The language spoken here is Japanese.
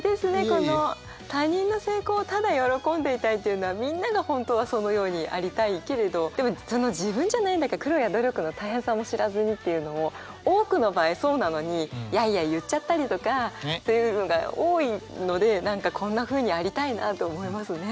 この「他人の成功をただ喜んでいたい」というのはみんなが本当はそのようにありたいけれどでも「自分じゃないんだから苦労や努力の大変さも知らずに」っていうのも多くの場合そうなのにやいやい言っちゃったりとかっていうのが多いので何かこんなふうにありたいなと思いますね。